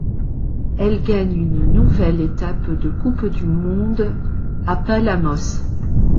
Elle gagne une nouvelle étape de coupe du monde à Palamos.